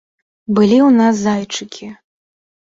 Былі ў нас зайчыкі.